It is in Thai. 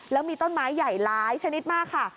แล้วมีต้นไม้ใหญ่หลายชนิดมากค่ะ